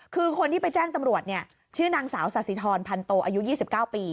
คือคนที่ไปแจ้งตำรวจเนี่ยชื่อนางสาวสาธิธรพันโตอายุ๒๙ปี